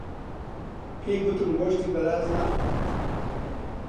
پێی گوتم گۆشتی بەراز ناخوات.